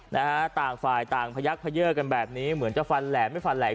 นะฮะต่างฝ่ายต่างพยักเขย่อกันแบบนี้เหมือนจะฟันแหลมไม่ฟันแหลม